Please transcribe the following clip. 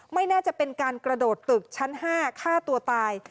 ไม่น่าจะเป็นการกระโดดตึกชั้น๕ฆ่าตัวตาย